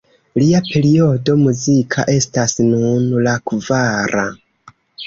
Lia periodo muzika estas nun la kvara.